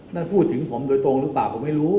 นั่นพูดถึงผมโดยตรงหรือเปล่าผมไม่รู้